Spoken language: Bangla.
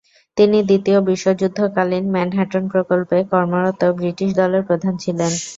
তিনি দ্বিতীয় বিশ্বযুদ্ধকালীন ম্যানহাটন প্রকল্পে কর্মরত ব্রিটিশ দলের প্রধান ছিলেন।